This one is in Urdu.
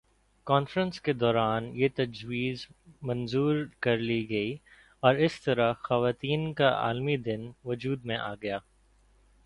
کانفرنس کے دوران یہ تجویز منظور کر لی گئی اور اس طرح خواتین کا عالمی دن وجود میں آگیا